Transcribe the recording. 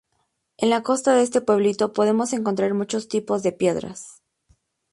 En la costa de este pueblito podemos encontrar muchos tipos de piedras.